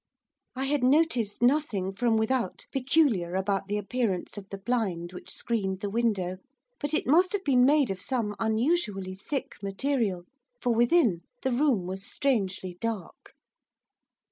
I had noticed nothing, from without, peculiar about the appearance of the blind which screened the window, but it must have been made of some unusually thick material, for, within, the room was strangely dark.